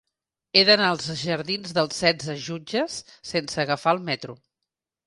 He d'anar als jardins d'Els Setze Jutges sense agafar el metro.